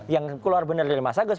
yang keluar benar dari mas agus